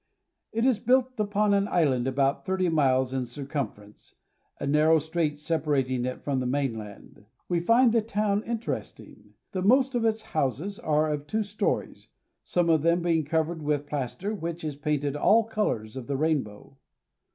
It is built upon an island about thirty miles in circum CARP. S. AM. — 22 Cayenne Creole. 350 THE GUIANAS. ference, a narrow strait separating it from the mainland. We find the town interesting. The most of its houses are of two stories, some of them being covered with plas ter which is painted all colors of the rainbow.